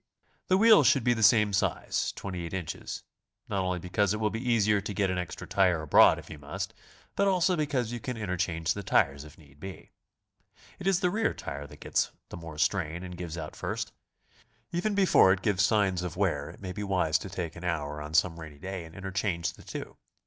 The wheels should be the same size, 28 in., not only because it wild be easier to get an extra tire abroad if you must, but also because you can interchange the tires if need be. It is the rear tire that gets the more strain and gives out first. Even before it gives signs of wear, it may be wise to take an hour on some rainy day and interchange the two.